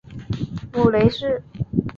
母雷氏。